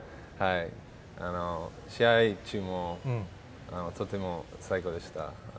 試合中もとても最高でした。